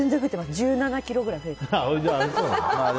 １７ｋｇくらい増えてる。